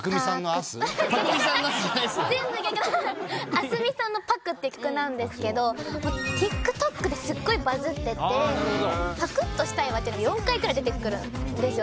ａｓｍｉさんの『ＰＡＫＵ』って曲なんですけどＴｉｋＴｏｋですっごいバズってて「パクっとしたいわ」ってのが４回くらい出てくるんです。